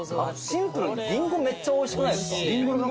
シンプルにリンゴめっちゃおいしくないですか？